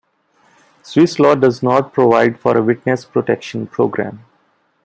Swiss law does not provide for a witness protection program.